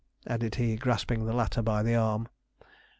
added he, grasping the latter by the arm.